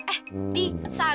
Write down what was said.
eh di sarusa kamu kan